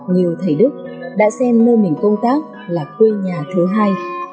như thầy đức đã xem nơi mình công tác là quê nhà thứ hai